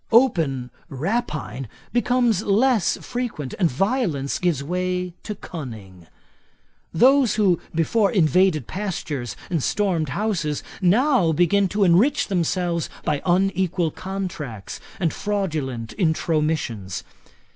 Open rapine becomes less frequent, and violence gives way to cunning. Those who before invaded pastures and stormed houses, now begin to enrich themselves by unequal contracts and fraudulent intromissions.